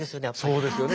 そうですよね。